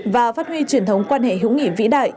và phát huy truyền thống quan hệ hữu nghị vĩ đại